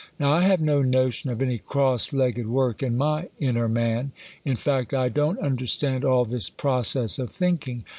Now I have no notion of any cross legged work in my inner man. In fact, I don't understand all this process of thiniling.